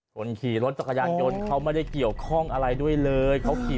คนขี่รถจักรยานยนต์เขาไม่ได้เกี่ยวข้องอะไรด้วยเลยเขาขี่